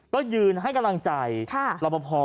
ก็ยืนให้กำลังใจรับประพอ